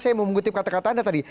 saya mau mengutip kata kata anda tadi